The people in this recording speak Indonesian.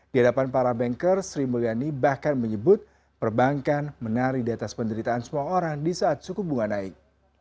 di hadapan para banker sri mulyani bahkan menyebut perbankan menari di atas penderitaan semua orang di saat suku bunga naik